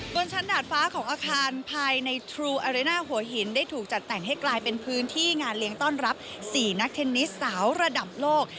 บนชั้นดาดฟ้าของอาคารภายในทรูอาเรน่าหัวหินได้ถูกจัดแต่งให้กลายเป็นพื้นที่งานเลี้ยงต้อนรับ๔นักเทนนิสสาวระดับโลก